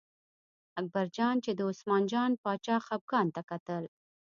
اکبرجان چې د عثمان جان باچا خپګان ته کتل.